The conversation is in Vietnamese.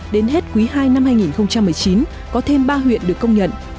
đến hết quý ii năm hai nghìn một mươi chín có thêm ba huyện được công nhận